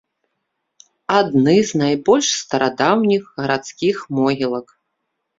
Адны з найбольш старадаўніх гарадскіх могілак.